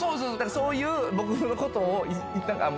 そういう僕のことをあっ